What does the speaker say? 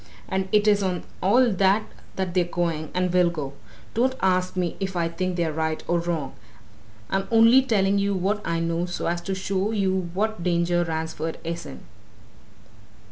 And it is on all that that they're going, and will go. Don't ask me if I think they're right or wrong! I'm only telling you what I know so as to show you what danger Ransford is in."